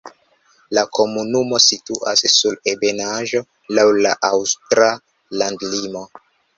La komunumo situas sur ebenaĵo laŭ la aŭstra landlimo.